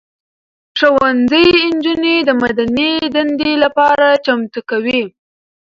ښوونځي نجونې د مدني دندې لپاره چمتو کوي.